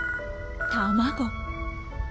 卵。